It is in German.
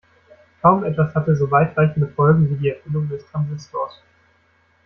Kaum etwas hatte so weitreichende Folgen wie die Erfindung des Transistors.